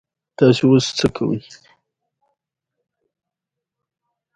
افغانستان کې د بادي انرژي لپاره دپرمختیا پروګرامونه شته.